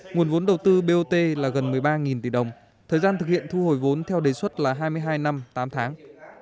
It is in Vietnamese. nguồn vốn đầu tư bot là gần một mươi ba tỷ đồng thời gian thực hiện thu hồi vốn theo đề xuất là hai mươi hai năm tám tháng